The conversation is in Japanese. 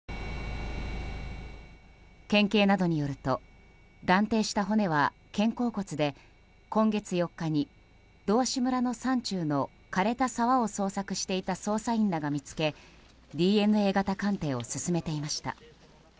県警などによると断定した骨は肩甲骨で今月４日に道志村の山中の枯れた沢を捜索していた捜査員らが見つけＤＮＡ型鑑定を進めていました。